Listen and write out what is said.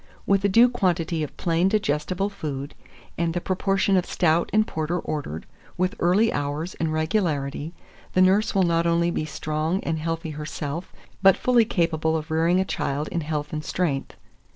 With a due quantity of plain digestible food, and the proportion of stout and porter ordered, with early hours and regularity, the nurse will not only be strong and healthy herself, but fully capable of rearing a child in health and strength.